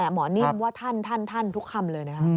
หมอนิ่มว่าท่านทุกคำเลยนะครับ